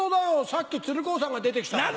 さっき鶴光さんが出て来たから。